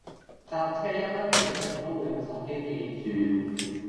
搭車一蚊幾毫都會用手機計住